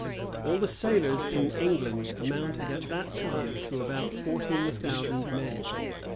All the sailors in England amounted at that time to about fourteen thousand men.